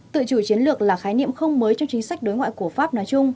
tự chủ chiến lược là khái niệm không mới trong chính sách đối ngoại của pháp nói chung